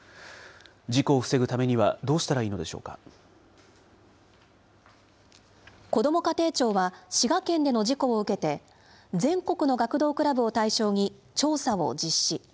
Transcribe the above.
事故を防ぐためには、どうしたらこども家庭庁は、滋賀県での事故を受けて、全国の学童クラブを対象に調査を実施。